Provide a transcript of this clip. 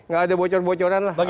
gak ada bocor bocoran lah